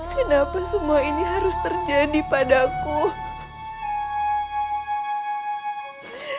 kenapa semua ini harus terjadi pada guru